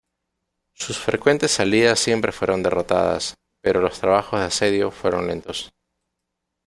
Sus frecuentes salidas siempre fueron derrotadas, pero los trabajos de asedio fueron lentos.